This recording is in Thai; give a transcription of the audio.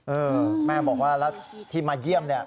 เออแม่บอกว่าแล้วที่มาเยี่ยมเนี่ย